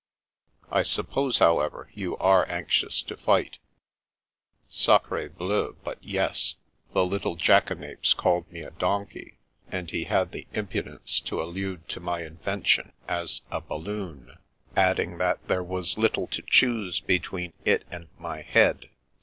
" I suppose, however, you are anxious to fight ?"^' Sacri bleu, but yes. The little jackanapes called me a donkey, and he had the impudence to allude to my invention as a ' balloon,' adding that there was little to choose between it and my head.